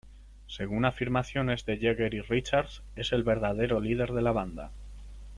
Según afirmaciones de Jagger y Richards, es el verdadero líder de la banda.